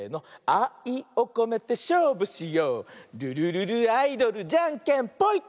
「あいをこめてしょうぶしよう」「ルルルルアイドルじゃんけんぽい！」